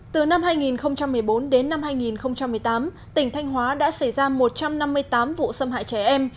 từ năm hai nghìn một mươi bốn đến năm hai nghìn một mươi tám tỉnh thanh hóa đã xảy ra một trăm năm mươi tám vụ xâm hại trẻ em